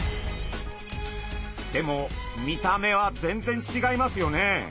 でも見た目は全然違いますよね。